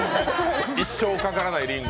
一生かからないリング。